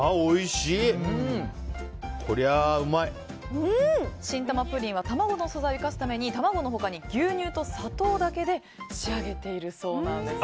しんたまプリンは卵の素材を生かすために卵の他に牛乳と砂糖だけで仕上げているそうなんです。